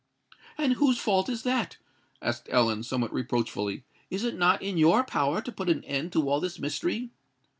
"And whose fault is that?" asked Ellen, somewhat reproachfully. "Is it not in your power to put an end to all this mystery?"